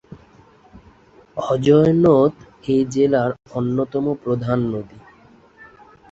অজয় নদ এই জেলার অন্যতম প্রধান নদী।